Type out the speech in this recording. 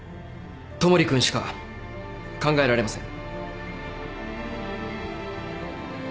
戸守君しか考えられません。